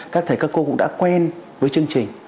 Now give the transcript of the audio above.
các thầy các cô cũng đã quen với chương trình